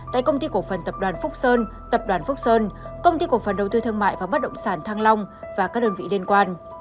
tại công ty cổ phần tập đoàn phúc sơn tập đoàn phúc sơn công ty cổ phần đầu tư thương mại và bất động sản thăng long và các đơn vị liên quan